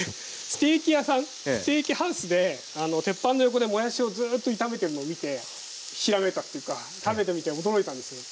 ステーキハウスで鉄板の横でもやしをずっと炒めてるのを見てひらめいたっていうか食べてみて驚いたんですよ。